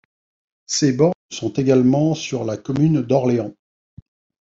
Ces bornes sont également sur la commune d'Orléans.